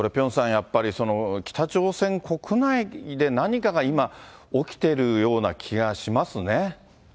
やっぱり、北朝鮮国内で何かが今起きてるような気がしますね。